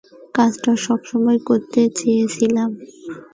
কাজটা সবসময় করতে চেয়েছিলাম।